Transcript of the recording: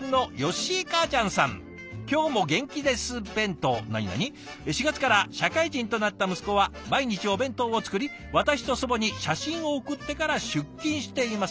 続いて何何「４月から社会人となった息子は毎日お弁当を作り私と祖母に写真を送ってから出勤しています」。